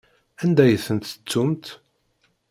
Anda ay ten-tettumt?